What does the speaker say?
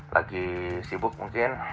lagi sibuk mungkin